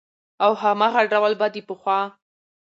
او هماغه ډول به د پخوا